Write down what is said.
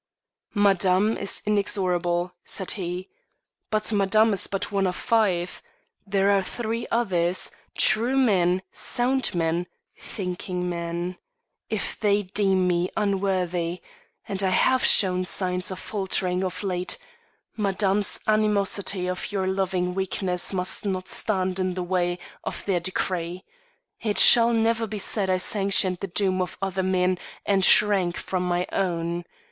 "Madame is inexorable," said he; "but Madame is but one of five. There are three others true men, sound men, thinking men. If they deem me unworthy and I have shown signs of faltering of late Madame's animosity or your loving weakness must not stand in the way of their decree. It shall never be said I sanctioned the doom of other men and shrank from my own.